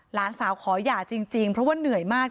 หลานสาวขอหย่าจริงเพราะว่าเหนื่อยมาก